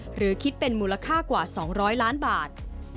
หรือคิดเป็นมูลค่ากว่า๒๐๐ล้านบาท